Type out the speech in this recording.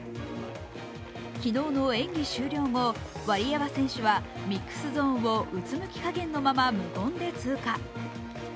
昨日の演技終了後、ワリエワ選手はミックスゾーンをうつむきかげんのまま無言で通過。